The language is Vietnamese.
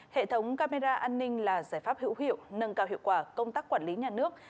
hệ thống camera an ninh là giải pháp hữu hiệu nâng cao hiệu quả công tác quản lý nhà nước